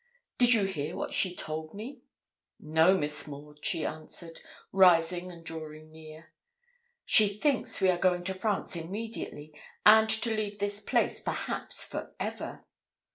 Did you hear what she told me?' 'No, Miss Maud,' she answered, rising and drawing near. 'She thinks we are going to France immediately, and to leave this place perhaps for ever.'